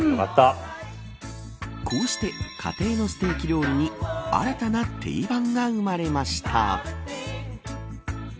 こうして家庭のステーキ料理に新たな定番が生まれました。